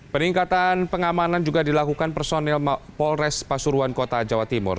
peningkatan pengamanan juga dilakukan personil polres pasuruan kota jawa timur